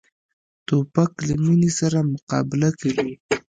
توپک له مینې سره مقابله کوي.